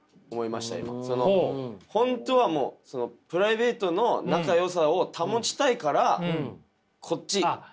本当はプライベートの仲よさを保ちたいからこっち。